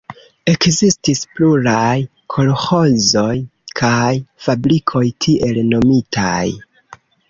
Ekzistis pluraj kolĥozoj kaj fabrikoj, tiel nomitaj.